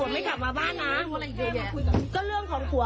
มาดูดักเตอร์สารย์